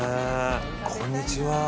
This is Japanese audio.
こんにちは。